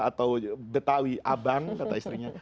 atau betawi aban kata istrinya